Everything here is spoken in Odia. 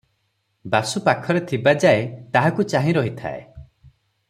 ବାସୁ ପାଖରେ ଥିବା ଯାଏ ତାହାକୁ ଚାହିଁ ରହିଥାଏ।